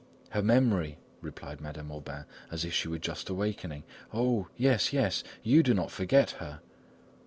"Her memory!" replied Madame Aubain, as if she were just awakening, "Oh! yes, yes, you do not forget her!"